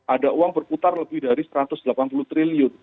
ada uang berputar lebih dari satu ratus delapan puluh triliun